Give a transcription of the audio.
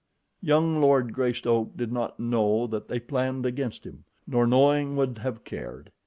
Young Lord Greystoke did not know that they planned against him, nor, knowing, would have cared.